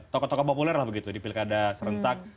toko toko populer lah begitu di pilkada serentak